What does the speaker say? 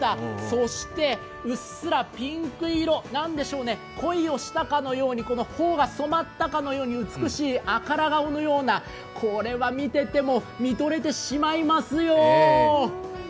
そしてうっすらピンク色、何でしょうね、恋をしたかのように、頬が染まったかのように美しい赤ら顔のような、これは見てても見とれてしまいますよ。